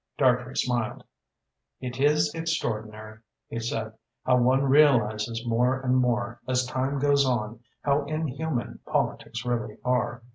Dartrey smiled. "It is extraordinary," he said, "how one realises more and more, as time goes on, how inhuman politics really are.